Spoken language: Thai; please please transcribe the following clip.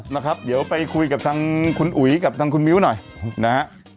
นะครับเดี๋ยวไปคุยกับทางคุณอุ๋ยกับทางคุณมิ้วหน่อยนะฮะ